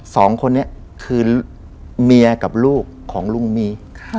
สองคนนี้คือเมียกับลูกของลุงมี